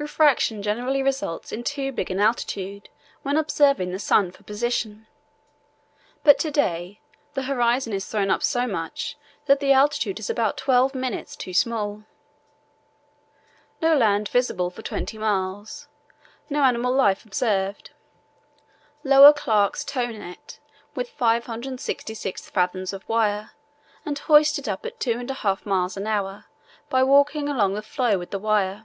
Refraction generally results in too big an altitude when observing the sun for position, but to day, the horizon is thrown up so much that the altitude is about 12´ too small. No land visible for twenty miles. No animal life observed. Lower Clark's tow net with 566 fathoms of wire, and hoist it up at two and a half miles an hour by walking across the floe with the wire.